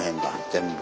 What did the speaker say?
全部。